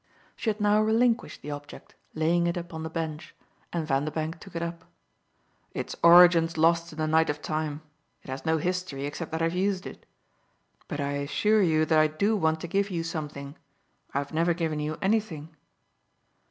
She had now relinquished the object, laying it upon the bench, and Vanderbank took it up. "Its origin's lost in the night of time it has no history except that I've used it. But I assure you that I do want to give you something. I've never given you anything."